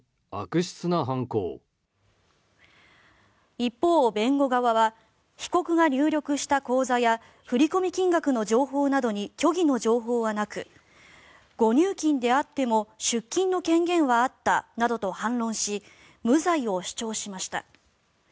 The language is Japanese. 一方、弁護側は被告が入力した口座や振込金額の情報などに虚偽の情報はなく誤入金であっても出金の権限はあったなどと反論し無罪を主張しました。